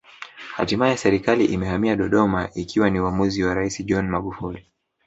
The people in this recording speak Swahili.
Hatimaye Serikali imehamia Dodoma ikiwa ni uamuzi wa Rais John Magufuli